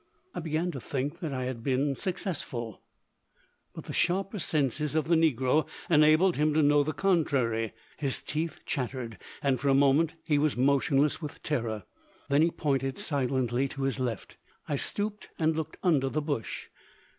I began to think that I had been successful, but the sharper senses of the negro enabled him to know the contrary. His teeth chattered, and for a moment he was motionless with terror. Then he pointed silently to his left. I stooped and looked under the bush.